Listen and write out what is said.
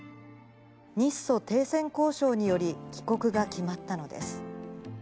日ソ停戦交渉により帰国が決まったのです。